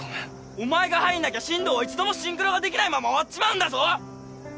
お前が入んなきゃ進藤は一度もシンクロができないまま終わっちまうんだぞ。